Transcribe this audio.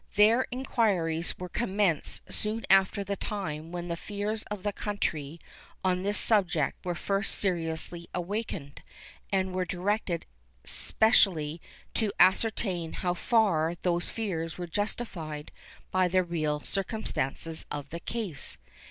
Their inquiries were commenced soon after the time when the fears of the country on this subject were first seriously awakened; and were directed specially to ascertain how far those fears were justified by the real circumstances of the case.